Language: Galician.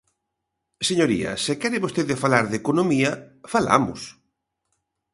Señoría, se quere vostede falar de economía, falamos.